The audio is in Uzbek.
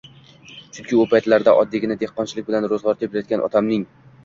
Chunki u paytlarda oddiygina dehqonchilik bilan ro‘zg‘or tebratgan otamning